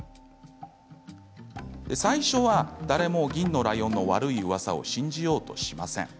最初は誰も銀のライオンの悪いうわさを信じようとしません。